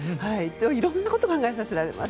いろんなことを考えさせられます。